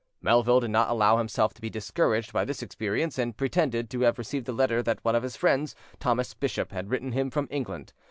Melville did not allow himself to be discouraged by this experience, and pretended, to have received a letter that one of his friends, Thomas Bishop, had written him from England.